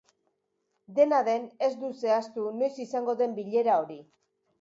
Dena den, ez du zehaztu noiz izango den bilera hori.